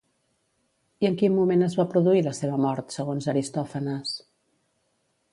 I en quin moment es va produir la seva mort, segons Aristòfanes?